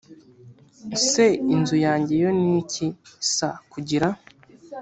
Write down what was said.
se inzu yanjye yo ni iki s kugira